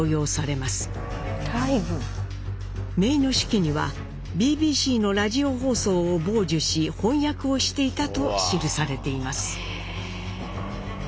めいの手記にはＢＢＣのラジオ放送を傍受し翻訳をしていたと記されています。